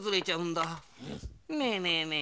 ねえねえねえ